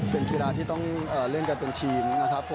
เป็นกีฬาที่ต้องเล่นกันเป็นทีมนะครับผม